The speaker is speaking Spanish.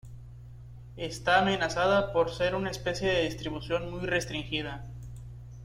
Está amenazada por ser una especie de distribución muy restringida.